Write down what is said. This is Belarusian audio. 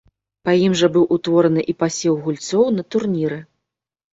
Па ім жа быў утвораны і пасеў гульцоў на турніры.